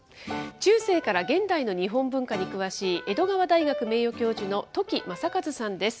中世から現代の日本文化に詳しい、江戸川大学名誉教授の斗鬼正一さんです。